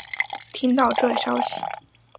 听到这消息